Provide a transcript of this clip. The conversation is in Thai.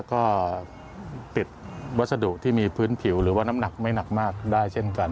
ก็ติดวัสดุที่มีพื้นผิวหรือว่าน้ำหนักไม่หนักมากได้เช่นกัน